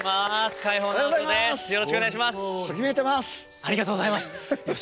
ありがとうございます！